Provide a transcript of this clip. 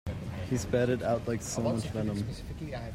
He spat it out like so much venom.